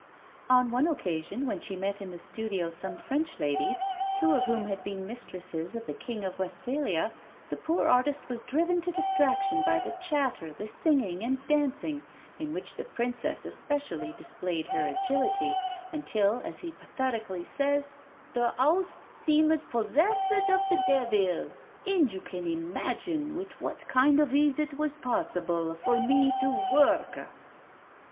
On one occasion when she met in the studio some French ladies, two of whom had been mistresses of the King of Westphalia, the poor artist was driven to distraction by the chatter, the singing, and dancing, in which the Princess especially displayed her agility, until, as he pathetically says, "the house seemed possessed of the devil, and you can imagine with what kind of ease it was possible for me to work."